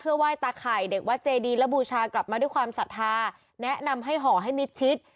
ไหว้ตาไข่เด็กวัดเจดีและบูชากลับมาด้วยความศรัทธาแนะนำให้ห่อให้มิดชิด